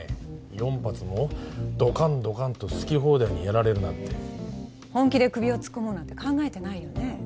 ４発もドカンドカンと好き放題にやられるなんて本気で首を突っ込もうなんて考えてないよね？